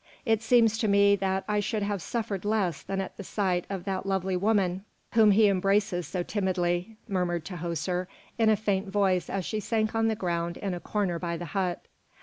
It seems to me that I should have suffered less than at the sight of that lovely woman whom he embraces so timidly," murmured Tahoser in a faint voice as she sank on the ground in a corner by the hut.